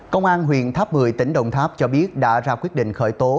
công an huyện tháp mười tỉnh đồng tháp cho biết đã ra quyết định khởi tố